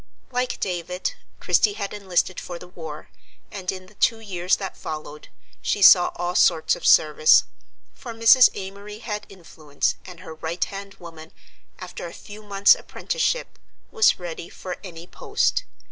Like David, Christie had enlisted for the war, and in the two years that followed, she saw all sorts of service; for Mrs. Amory had influence, and her right hand woman, after a few months' apprenticeship, was ready for any post.